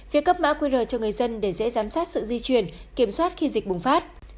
việc cấp mã qr cho người dân để dễ giám sát sự di chuyển kiểm soát khi dịch bùng phát